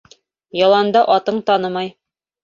Яланда атың танымай.